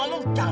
aduh ini siapa